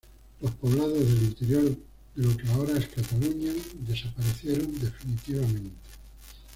Los poblados del interior de lo que ahora es Cataluña desaparecieron definitivamente.